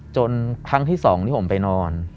ครั้งที่๒ที่ผมไปนอน